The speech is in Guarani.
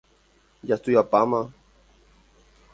Jastudiapáma.